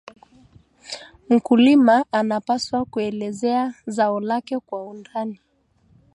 Mkulima anapaswa kuelezea zao lake kwa undani